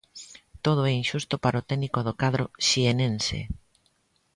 Todo é inxusto para o técnico do cadro xienense.